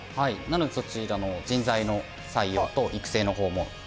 なのでそちらの人材の採用と育成のほうもしております。